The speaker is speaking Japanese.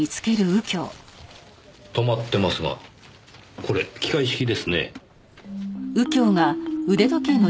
止まってますがこれ機械式ですね。